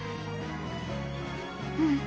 うん。